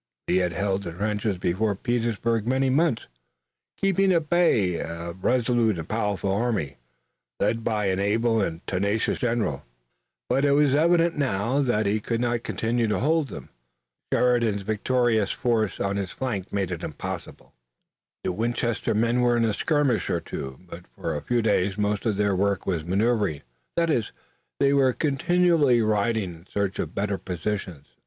Lee had held the trenches before Petersburg many months, keeping at bay a resolute and powerful army, led by an able and tenacious general, but it was evident now that he could not continue to hold them. Sheridan's victorious force on his flank made it impossible. The Winchester men were in a skirmish or two, but for a few days most of their work was maneuvering, that is, they were continually riding in search of better positions.